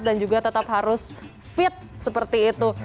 dan juga tetap harus fit seperti itu